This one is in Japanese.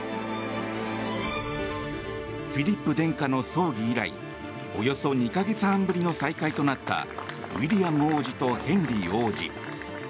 フィリップ殿下の葬儀以来およそ２か月半ぶりの再会となったウィリアム王子とヘンリー王子。